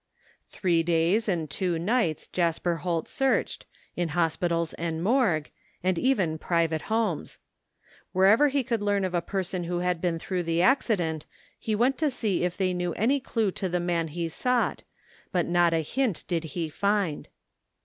Three days and two nights Jasper Holt searched, in hospitals and morgue, and even private homes. Wherever he could learn of a person who had been through the accident he went to see if they knew any clue to the man he sought, but not a hint did he find.